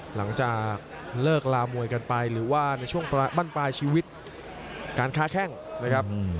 หลังจากเลิกลามวยกันไปหรือว่าในช่วงบั้นปลายชีวิตการค้าแข้งนะครับ